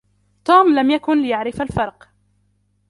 توم لم يكن ليعرف الفرق.